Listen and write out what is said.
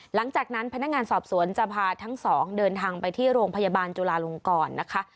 หลังจากนั้นพนักงานสอบสวนจะพาทั้งสองเดินทางไปที่โรงพยาบาลจุลาลงกรนะคะ